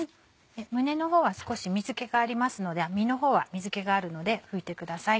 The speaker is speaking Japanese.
胸の方は少し水気がありますので身の方は水気があるので拭いてください。